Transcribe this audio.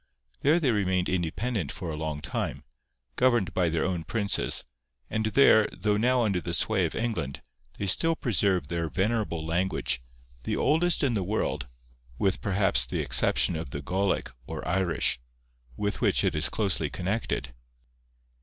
There they remained independent for a long time, governed by their own princes; and there, though now under the sway of England, they still preserve their venerable language, the oldest in the world, with perhaps the exception of the Gaulic or Irish, with which it is closely connected.